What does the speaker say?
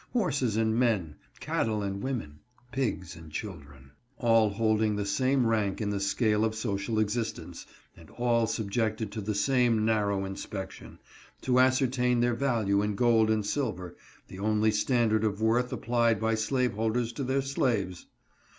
Horses and men, cattle and women, pigs and children — 118 CONSTERNATION AT THE PROSPECT. all holding the same rank in the scale of social existence, and all subjected to the same narrow inspection, to ascer tain their value in gold and silver — the only standard of worth applied by slaveholders to their slaves.